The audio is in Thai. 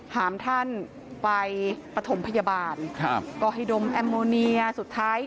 หามท่านไปปฐมพยาบาลครับก็ให้ดมแอมโมเนียสุดท้าย